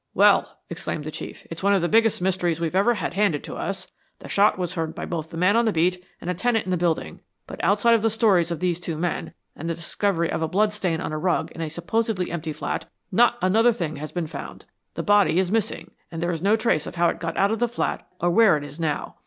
"Well," exclaimed the Chief, "it's one of the biggest mysteries we've ever had handed to us. The shot was heard by both the man on the beat and a tenant in the building, but outside of the stories of these two men, and the discovery of a blood stain on a rug in a supposedly empty flat, not another thing has been found. The body is missing, and there is no trace of how it got out of the flat or where it is now.